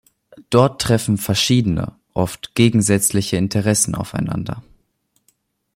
Dort treffen verschiedene, oft gegensätzliche Interessen aufeinander.